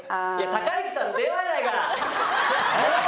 隆行さんの電話やないか！